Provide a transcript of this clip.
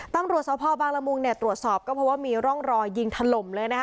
ตำรวจสภบางละมุงเนี่ยตรวจสอบก็เพราะว่ามีร่องรอยยิงถล่มเลยนะคะ